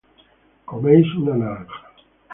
coméis una naranja